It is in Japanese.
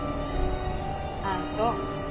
ああそう。